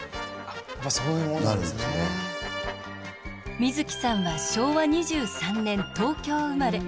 水木さんは昭和２３年東京生まれ。